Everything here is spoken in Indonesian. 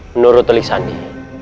menurut telik sandi